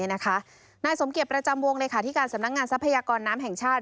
นายสมเกียจประจำวงเลขาธิการสำนักงานทรัพยากรน้ำแห่งชาติ